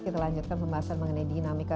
kita lanjutkan pembahasan mengenai dinamika